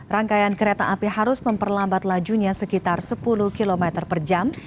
rangkaian kereta api harus memperlambat lajunya sekitar sepuluh km per jam